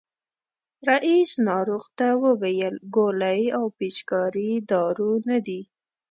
رئیس ناروغ ته وویل ګولۍ او پيچکاري دارو نه دي.